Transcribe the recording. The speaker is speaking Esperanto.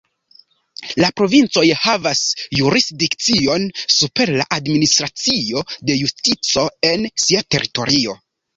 La provincoj havas jurisdikcion super la Administracio de Justico en sia teritorio.